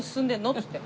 っつって。